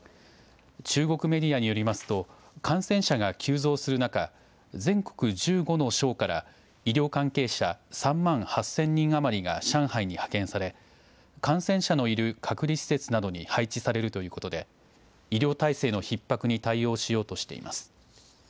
中国メディアによりますと感染者が急増する中、全国１５の省から医療関係者３万８０００人余りが上海に派遣され感染者のいる隔離施設などに配置されるということで医療体制のひっ迫に対応しようとしています。